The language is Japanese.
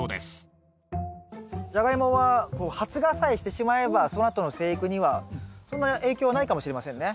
ジャガイモは発芽さえしてしまえばそのあとの生育にはそんな影響はないかもしれませんね。